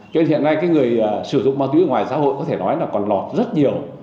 cho nên hiện nay cái người sử dụng ma túy ở ngoài xã hội có thể nói là còn lọt rất nhiều